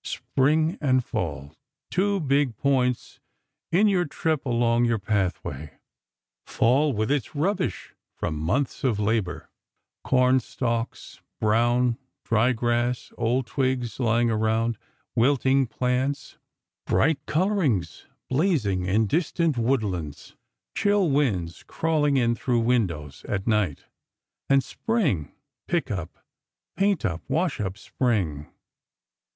Spring and Fall; two big points in your trip along your Pathway. Fall with its rubbish from months of labor: cornstalks, brown, dry grass, old twigs lying around, wilting plants; bright colorings blazing in distant woodlands; chill winds crawling in through windows, at night. And Spring! Pick up, paint up, wash up Spring!!